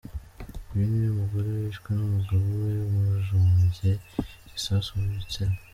Uyu niwe mugore wishwe n’umugabo we amujombye igisasu mu gitsina.